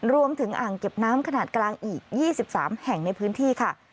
อ่างเก็บน้ำขนาดกลางอีก๒๓แห่งในพื้นที่ค่ะ